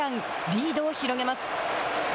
リードを広げます。